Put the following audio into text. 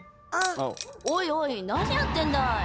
おいおい何やってんだい！